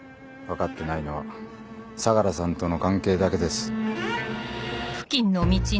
分かってないのは相良さんとの関係だけです。